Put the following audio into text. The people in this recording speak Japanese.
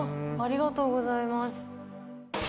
ありがとうございます。